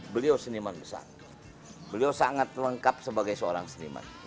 beliau seniman besar beliau sangat lengkap sebagai seorang seniman